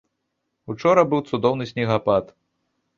Учора быў цудоўны снегапад!